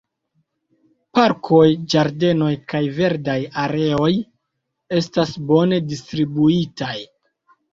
Parkoj, ĝardenoj kaj verdaj areoj estas bone distribuitaj.